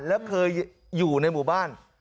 แล้วเคยอยู่ในหมู่บ้าน